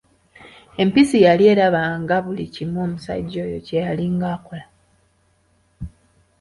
Empisi yali eraba nga buli kimu omusajja oyo kyeyali ng'akola.